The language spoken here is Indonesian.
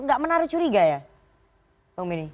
nggak menaruh curiga ya bang benny